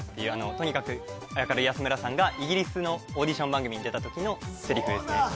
とにかく明るい安村さんがイギリスのオーディション番組に出た時のセリフですね